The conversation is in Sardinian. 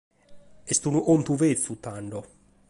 Est unu contu betzu, tando.